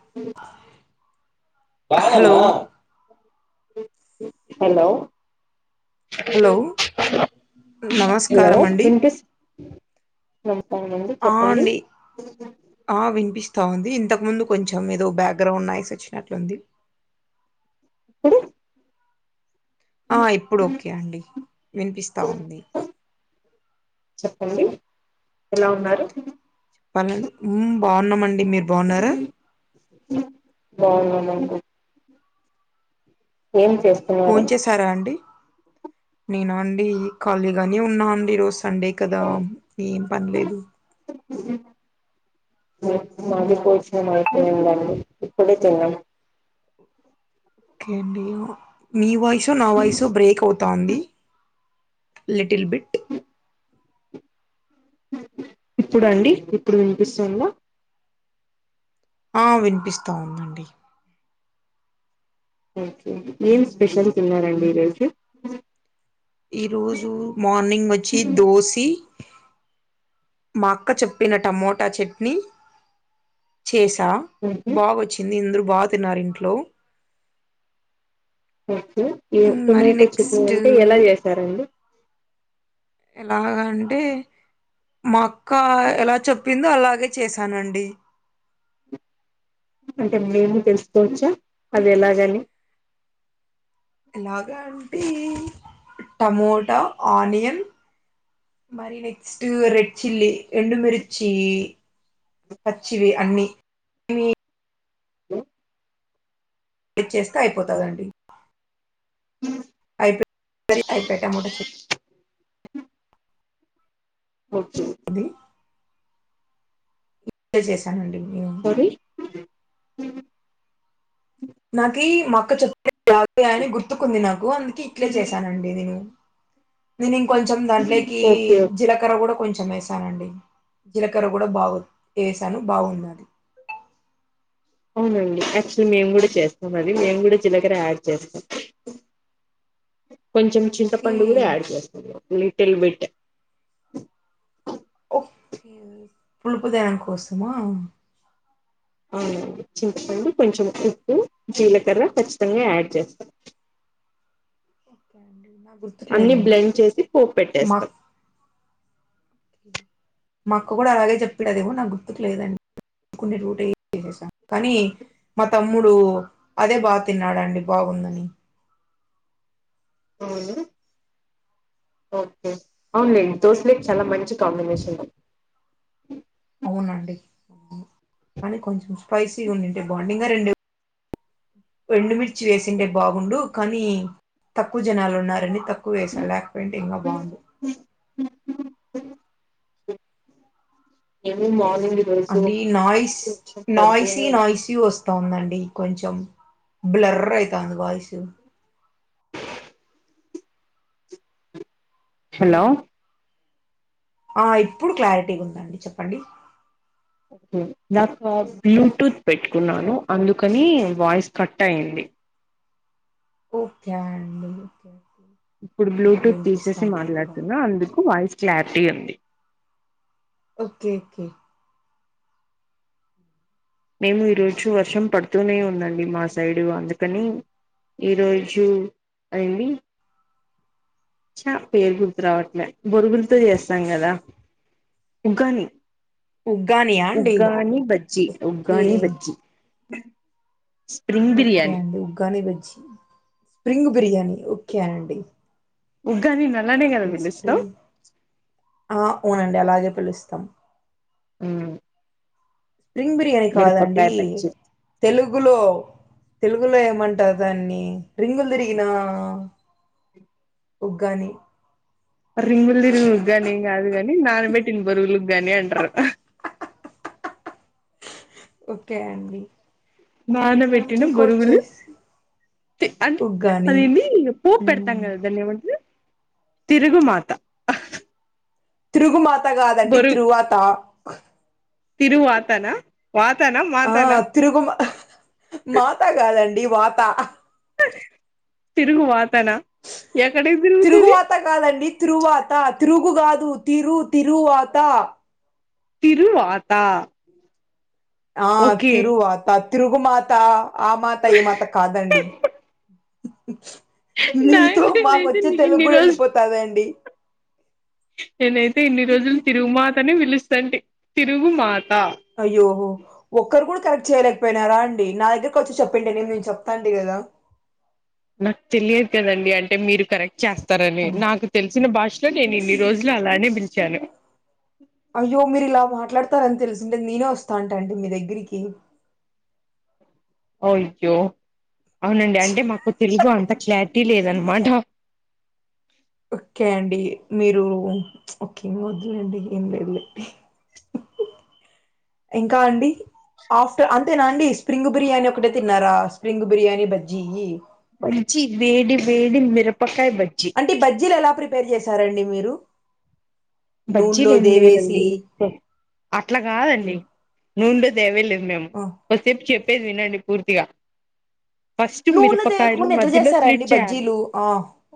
[unintelligible] Hello కాలనా hello hello hello నమస్కారమండి వినిపిస్ నమస్కారమండి చెప్పండి ఆ వినిపిస్త ఉంది ఇంతకు ముందు కొంచెం ఏదో బ్యాక్గ్రౌండ్ నైస్ వచ్చినట్లుంది ప్పుడు ఆ ఇప్పుడు ఓకే అండి వినిపిస్తా ఉంది చెప్పండి ఎలా ఉన్నారు పన్నెండు మ్మ్ బాగున్నామండి మీరు బాగున్నారా బాగున్నామండి ఏం చేస్తున్నారు సరే అండి నేన అండి ఖాళీగానే ఉన్నా అండి ఈ రోజు సండే కదా ఏం పనిలేదు మాది పోసిన [inaudible] ఇప్పుడే తిన్నాం కే అండి మీ వాయిసు నా వయిసు బ్రేక్ అవుతు తాంది లిటిల్ బిట్ ఇప్పుడండి ఇప్పుడు వినిపిస్తుందా ఆ వినిపిస్తా ఉందండి ఒకే ఏం స్పెషల్ తిన్నారండి ఈరోజు ఈ రోజు మార్నింగ్ వచ్చి దోసి మా అక్క చెప్పిన టమోటా చట్నీ చేసా హుమ్ హు బాగొచ్చింది అందరు బాగా తిన్నారు ఇంట్లో ఒకే ఈ మరి టొమాట చట్నీ నెక్స్ట్ అంటే ఎలా చేసారండి ఎలాగ అంటే మా అక్క ఎలా చెప్పిందో అలాగే చేసానండి అంటే మేము తెలుసుకోవచ్చా అది ఎలాగని ఎలాగ అంటే టమోటా ఆనియన్ మరి నెక్స్ట్ రెడ్ చిల్లీ ఎండుమిర్చీ పచ్చివి అన్ని చేస్తే అయిపోతదండి అయిపోతది ఐపయ్ టమాట చట్నీ ఒకే అది [unintelligible] చేశానండి మేము ది నాకీ మ అక్క చెప్పినట్టు గాదు గాని గుర్తుకుంది నాకు అందుకె ఇట్లే చేశానండి నేను నేను ఇంకొంచెం దాంట్లకి ఓకే ఓకే జీలకర్ర కూడా కొంచెం వేసు తనండి జీలకర్ర కూడా బాగు వేసాను బాగుంది అవునండి యాక్చువల్లీ నేను గూడా చేస్తాం అది మేము గూడా జీలకర్ర యాడ్ చేస్తాం కొంచెం ఓకే చింతపండు గూడా యాడ్ చేస్తాం లిటిల్ బిట్ ఒకే పులుపుదనం కోసమా అవునండి చింతపండు కొంచెం ఉప్పు జీలకర్ర ఖచ్చితంగా ఓకే యాడ్ చేస్తాను ఒకే అండి నాగు - అన్ని బ్లెండ్ చేసి పోప్ పెట్టేస్తాం మా అక్క గూడా అలాగే చెప్పిడదేమో నాక్ గుర్తుకు లేదు [unintelligible] చేసం కానీ మా తమ్ముడు అదే బా తిన్నాడండి బాగుందని అవునా ఒకే అవునులేండి దోశలోకి చాలా మంచి కాంబినేషన్ అవునండి కానీ కొంచెం స్పైసీగా ఉండుంటే బాగుండు ఇంగ రెండు ఎండుమిర్చి వేసింటే బాగుండు కానీ తక్కువ జనాలు ఉన్నారని తక్కు వేసా లేకపోయుంటే ఇంగా బాగుండు [unintelligible] ఎర్లీ మార్నింగ్ రోజు అండి నాయిస్ కొంచెం పడుతూనే నాయిసీ ఉం- నాయిసి వస్తాందండి కొంచెం బ్లర్ ఐతంది వాయిస్ హలో ఆ ఇప్పుడు క్లారిటీగా ఉందండి చెప్పండి ఇందాక బ్లూటూత్ పెట్టుకున్నాను అందుకని వాయిస్ కట్ అయింది ఒకే అండి ఇప్పుడు బ్లూటూత్ తీసేసి వినిపిస్తానండి బా మాట్లాడుతున్నా అందుకు వాయిస్ క్లారిటీ ఉంది ఒకే ఒకే మేము ఈ రోజు వర్షం పడుతూనే ఉందండి మా సైడు అందుకని ఈ రోజు అయింది చా పేరు గుర్తురావట్లే బొరుగులతో చేస్తాం గదా ఉగ్గాని ఉగ్గానియా అండి ఉగ్గాని బజ్జి ఓకే గానీ బచ్చి ఓకే అండి ఉగ్గాని బజ్జి, స్ప్రింగ్ బిర్యానీ ఓకే అండి. ఉగ్గాని నల్లానే కదా ఓకే పిలుస్తావు స్ప్రింగ్ ఆ అవునండి అలాగే పిలుస్తాం అ స్ప్రింగ్ బిర్యానీ కాదండి బజ్జీ తెలుగులో తెలుగులో ఏమంటారు దాన్ని రింగులు తిరిగిన ఉగ్గాని రింగులు తిరిగిన ఉగ్గాని ఏం కాదు గానీ నానబెట్టిన బరుగులు ఉగ్గాని అండరు హ్ ఓకే అండి మనం నానబెట్టిన డీకోడ్ బరుగులు చేసి తి అన్ ఉగ్గాని అదిఏంది పో పెడతాం మ్మ్. కదా దాన్ని ఏమంటే తిరుగుమాత తిరుగుమాత కాదండి బొరు తిరువాత తిరువాతనా వాతనా, మాతనా? తిరుగుమ అహ్హ్హ్ మాత కాదండి వాత తిరుగు వాతన ఎక్కడ ఏం తిరుగుతాది. అత కాదండి తిరువాత తిరుగు కాదు తిరు తిరువాత తిరువాత ఆ ఓకే తిరువాత తిరుగు మాత ఆ మాత, ఈ మాత కాదండి. నాయన మీతో మాకు నేనైతే వచ్చే తెలుగు ఇన్ని కూడా రోజులు వెళ్ళిపోతదండి. నేనైతే ఇన్ని రోజులు తిరుగు మాతనే పిలుస్తాంటే తిరుగు మాత అయ్యో ఒక్కరు కూడా కరెక్ట్ చేయలేకపోయినారా అండి నా దగ్గరకి వచ్చి చెప్పిండ నేను నీకు చెప్తాంటే కదా నాకు తెలియదు కదండి అంటే మీరు కరెక్ట్ చేస్తారని నాకు తెలిసిన భాషలో నేను ఇన్ని రోజులు అలానే పిలిచాను. అయ్యో మీరు ఇలా మాట్లాడతారని తెలిసింటే నేనే వస్తా అంట అండి మీ దగ్గరికి. అయ్యో అవునండి అంటే మాకు తెలుగు అంత క్లారిటీ లేదనమాట. ఓకే అండి మీరు ఒక ఓకేమి వదులేండి ఏం లేదులే ఇంకా అండి ఆఫ్టర్ అంతేనా అండి స్ప్రింగ్ బిర్యానీ ఒకటే తిన్నారా? స్ప్రింగ్ బిర్యానీ బజ్జీ బజ్జి వేడి వేడి మిరపకాయ బజ్జి అంటే బజ్జీలు ఎలా ప్రిపేర్ చేశారండి మీరు? బజ్జీలు నూనెలో ఏం దేవేసి లేదండి అట్లా కాదండి నుూండో తేవేలేదు మేము ఆ ఒకసటేపు చెప్పేది వినండి పూర్తిగా ఫస్ట్ నూనె మిరపకాయలు తేయకుండా ఎట్లా మధ్యలో చేస్తారండి స్లిచ్చయారు బజ్జీలు ఆ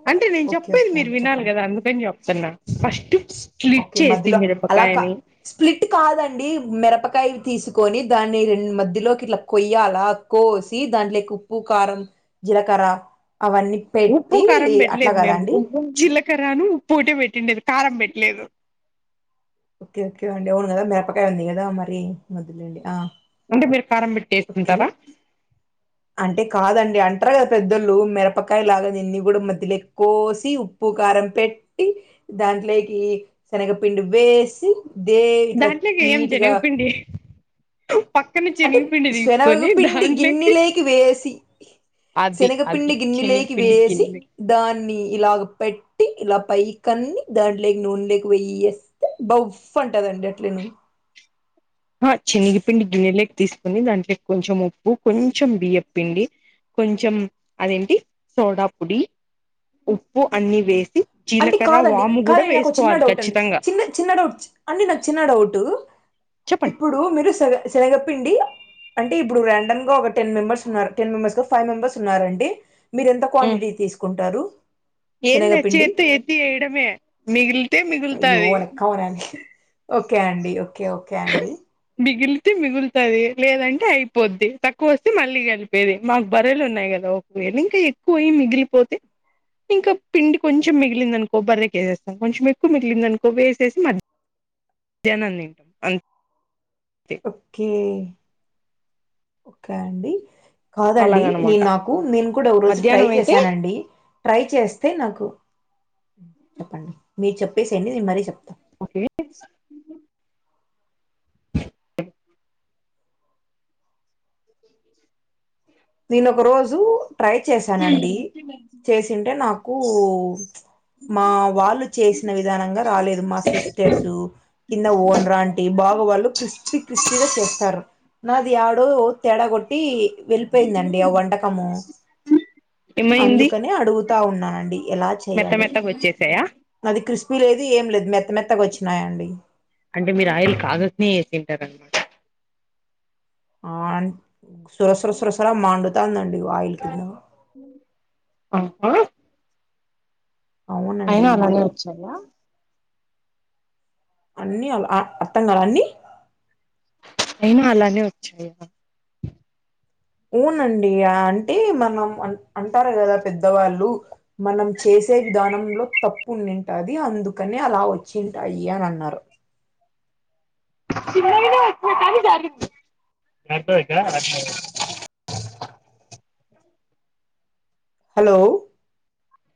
అంటే నేను ఓకే చెప్పేది ఓకే మీరు అండి వినాలి చెప్పండి కదా అందుకని చెప్తున్నా ఫస్ట్ స్లిట్ ఓకే చేసి మధ్యలో అలా కా మీరపకాయని స్ప్లిట్ కాదండి మిరపకాయ తీసుకొని దాన్ని రెండు మధ్యలోకి ఇట్లా కొయ్యాల కోసి దాంట్లో ఉప్పు, కారం, జీలకర్ర అవన్నీ పెట్టి అట్లా కదండి జీలకరను పోటే పెట్టిండే కారం పెట్లేదు ఓకే ఓకే అండి అవును కదా మిరపకాయ ఉంది కదా మరి యె మొదులేండి ఆ అంటే మీరు ప్రారంభి ఓకే అంటే కాదండి అంటారు కదా పెదొళ్లు మిరపకాయ లాగా తిన్ని కూడా మధ్యలక్ కోసి ఉప్పు కారం పెట్టి దాంట్లోకి శనగపిండి వేస్ దే ఇట్లా దాంట్లోకి ఏం నీట్గా శనగపిండి పక్కన అంటే శనగపిండి తీసుకొని శెనగపిండి దాంట్లోకి గిన్నెలేకి వేసి అది అది శనగపిండి గిన్నెలేకి శనగపిండి వేసి గిన్నె దాన్ని ఇలాగ పెట్టి ఇలా పైక్ అని దాంట్లోకి నూన్లోకి వెయేస్తే బౌవ్ అంటదండి అట్లే ఆ శనగపిండి గిన్నెలేకి తీసుకుని దాంట్లక్ కొంచెం ఉప్పు కొంచెం బియ్యప్ పిండి కొంచెం అదేంటి సోడా పొడి ఉప్పు అన్ని వేసి అంటే జీలకర్ర కాదండి వాము కూడా కాదే నాకు చిన్న వేసుకోవాలి డౌట్ అండి ఖచ్చితంగా చిన్న చిన్న డౌట్ అంటే నాకు చిన్న డౌట్ చెప్పండి ఇప్పుడు మీరు సెనగ శనగపిండి అంటే ఇప్పుడు రాండంగా ఒకె టెన్ మెంబెర్స్ ఉన్నారు టెన్ మెంబెర్స్ లో ఫైవ్ మెంబర్స్ ఉన్నారు అండి మీరు ఎంత క్వాంటిటీ తీసుకుంటారు ఏం లే శనగపిండి చేత్తో ఎత్తి యెయ్యడమే మిగులుతే అయ్యో మిగులుతాది [unintelligible] ఓకే అండి ఓకే ఓకే అండ్ మిగిలితే మిగులుతాది లేదంటే అయిపోద్ది తక్కువ వస్తే మళ్ళీ వేరే మాకు బరెలు ఉన్నాయి కదా ఒక్ వేన్నిన్కి ఎక్కువై మిగిలిపోతే ఇంకా పిండి కొంచెం మిగిలిందిందనుకో బర్రే కెసేస్తాం కొంచెం ఎక్కువ మిగిలిందనుకో వేసేసి మళ్లీ జనన్ ఓకే ఒక అండి కాదండి నీ అలాగనమాట నాకు నేను కూడా ఒక రోజు ట్రై మధ్యాహ్నం అయితే చేశానండి ట్రై చేస్తే నాకు చెప్పండి మీరు చెప్పేసేయండి నేను మరీ చెప్తా ఓకే నేను ఒక రోజు ట్రై చేశానండి చేసింటే నాకు మా వాళ్ళు చేసిన విధానంగా రాలేదు మా సిస్టర్సు కింద ఓనర్ ఆంటీ బాగా వాళ్ళు క్రిస్పీ క్రిస్పీగా చేస్తారు నాది యాడో తేడా కొట్టి పోయిందండి ఆ వంటకము ఏమైంది అందుకని అడుగుతా ఉన్నానండి ఎలా చే మెత్త మెత్తగా వచ్చేసాయా అది క్రిస్పీ లేదు ఏమి లేదు మెత్త మెత్తగా వచ్చినాయాండి అంటే మీరు ఆయిల్ కాగక్నే ఎసింటారండీ ఆన్ సురసుర సురసుర మండుతాందండి ఆయిల్ కింద ఆ ఆ అయినా అవునండి అలాగె వచ్చాయా అన్ని ఆల్అ అర్థం కాలే అన్ని ఏమో అలాగె వచ్చాయ్ ఉనండి అంటే మనం అ అంటారు కదా పెద్దవాళ్ళు మనం చేసే విధానంలో తప్పుండింటది అందుకని అలా వచ్చింటాయి అని అన్నారు కా న హలో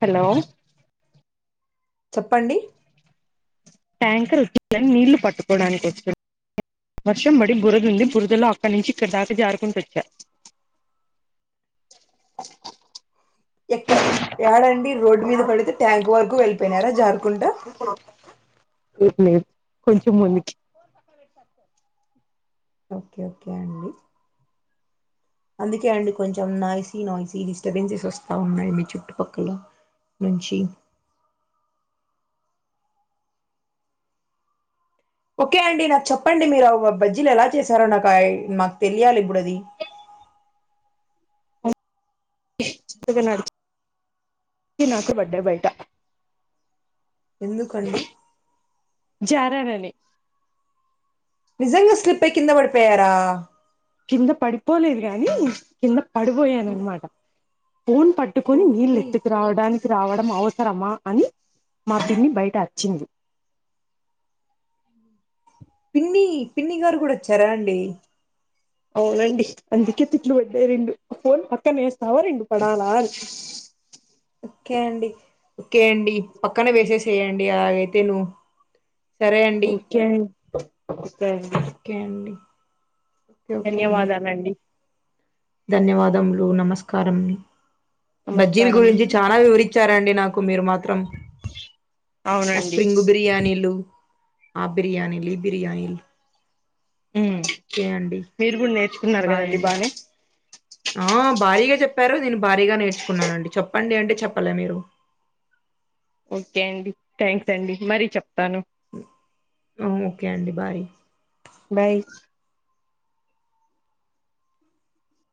హలో చెప్పండి ట్యాంకర్ నీళ్లు పట్టుకోవడానికి వచ్చ వర్షం పడి బురద ఉంది బురదలో అక్కడి నుంచి ఇక్కడ దాకా జారుకుంటొచ్చా ఆ ఎక్కడ యాడండి రోడ్డు మీద పడితే ట్యాంక్ వరకు వెళ్ళిపోయినారా జారుకుంటా ఉహు కొంచెం ముందుకి పె స ఓకే ఓకే అండి అందుకే అండి కొంచెం నాయిసీ నాయిసీ డిస్టర్బెన్సెస్ వస్తా ఉన్నాయి మీ చుట్టుపక్కల నుంచి ఓకే అండి నాకు చెప్పండి మీరు అవి బజ్జీలు ఎలా చేశారో నాకి నాకు తెలియాలి ఇప్పుడు అది చిక్కగా నడిచి నాకు బడ్డే బయట ఎందుకండి జారానని నిజంగా స్లిప్ అయి కింద పడిపోయారా కింద పడిపోలేదు గాని కింద పడబోయనన్న మాట ఫోన్ పట్ పట్టుకుని నీళ్లు ఓకే ఎత్తుకురావడానికి రావడం అవసరమా అని మా పిన్ని బయట అర్చింది పిన్ని పిన్ని గారు కూడా వచ్చారా అండి అవునండి అందుకే తిట్లు పడ్డాయి రెండు ఫోన్ పక్కన వేస్తావా రెండు పడాలా అని ఓకే అండి ఓకే అండి పక్కన వేసేసేయండి అలాగైతే ను ఓకే అండి ఒకే అండి ఒకే అండి ఓకే ఓకే అండి ధన్యవాదాలండి ధన్యవాదములు నమస్కారం బజ్జీలు నమస్కారం గురించి చానా వివరి చారండి నాకు మీరు మాత్రం ఆ అవునండి స్ప్రింగ్ బిరియానీలు ఆ బిర్యానీలు ఈ బిర్యానీలు ఉమ్ ఓకే అండి మీరు కూడా నేర్చుకున్నారు బాయ్ కదండి అండి బానే ఆ భారీగా చెప్పారు నేను భారీగా నేర్చుకున్నానండి చెప్పండి అంటే చెప్పలే మీరు ఓకే అండి థ్యాంక్స్ అండి మరి చెప్తాను ఆ ఓకే అండి బాయ్ బాయ్